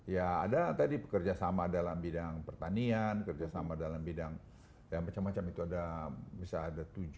ya ada tadi kerjasama dalam bidang pertanian kerjasama dalam bidang yang macam macam itu ada bisa ada tujuh